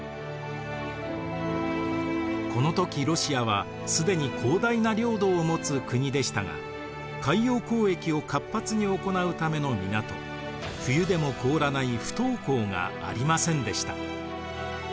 この時ロシアは既に広大な領土を持つ国でしたが海洋交易を活発に行うための港冬でも凍らない不凍港がありませんでした。